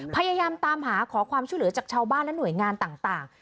พยายามตามหาขอความช่วยเหลือจากชาวบ้านและหน่วยงานต่าง